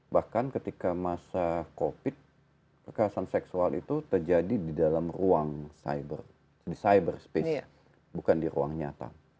bahkan ketika masa covid kekerasan seksual itu terjadi di dalam ruang di cyber space bukan di ruang nyata